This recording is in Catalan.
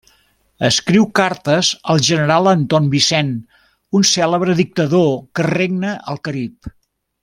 Escriu cartes al general Anton Vincent, un cèlebre dictador que regna al Carib.